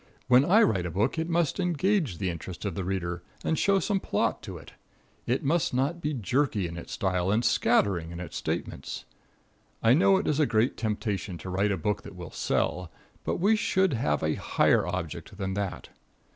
When I write a book it must engage the interest of the reader, and show some plot to it. It must not be jerky in its style and scattering in its statements. I know it is a great temptation to write a book that will sell, but we should have a higher object than that.